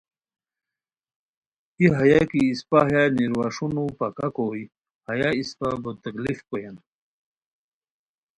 ای ہیہ کی اسپہ ہیہ نیرواݰونو پکہ کوئے، ہیہ اسپہ بوتکلیف کویان